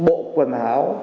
bộ quần hảo